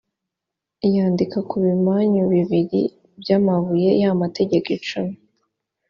yandika ku bimanyu bibiri by’amabuye ya mategeko cumi